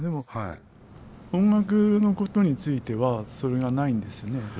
音楽のことについてはそれがないんですよね。